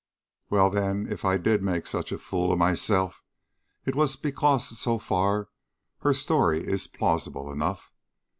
"Well, then, if I did make such a fool of myself, it was because so far her story is plausible enough.